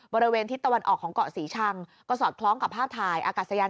บริเวณทิศตะวันออกของเกาะศรีชังก็สอดคล้องกับภาพถ่ายอากาศยาน